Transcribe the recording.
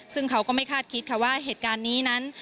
ซึ่งเขาก็ไม่คาดคิดค่ะว่าเหตุการณ์นี้นั้น